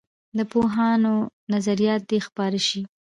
د پوهانو نظریات دې خپاره سي.